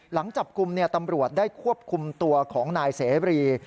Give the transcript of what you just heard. หลังจับกลุ่มตำรวจได้ควบคุมตัวของนายเสรี